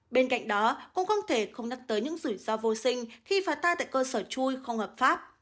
bên cạnh đó cũng không thể không nhắc tới những rủi ro vô sinh khi phá ta tại cơ sở chui không hợp pháp